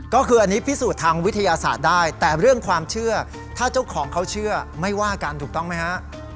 ก็คืออันนี้พิสูจน์ทางวิทยาศาสตร์ได้แต่เรื่องความเชื่อถ้าเจ้าของเขาเชื่อไม่ว่ากันถูกต้องไหมฮะ